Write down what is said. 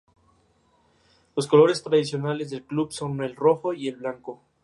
Las precipitaciones son escasas y se producen principalmente en primavera y otoño.